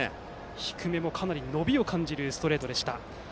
低めもかなり伸びを感じるストレートでした。